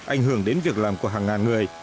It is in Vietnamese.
ảnh hưởng đến việc làm của hàng ngàn người